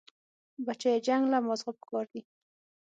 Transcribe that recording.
بچيه جنگ له مازغه پکار دي.